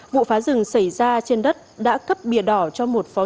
vụ phá rừng xảy ra trên đất đã cấp bìa đỏ cho một phòng